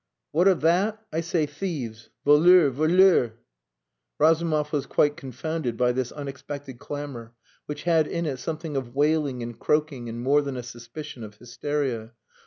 "What of hat? I say thieves! Voleurs! Voleurs!" Razumov was quite confounded by this unexpected clamour, which had in it something of wailing and croaking, and more than a suspicion of hysteria.